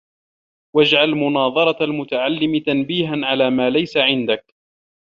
وَاجْعَلْ مُنَاظَرَةَ الْمُتَعَلِّمِ تَنْبِيهًا عَلَى مَا لَيْسَ عِنْدَك